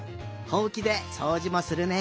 ほうきでそうじもするね。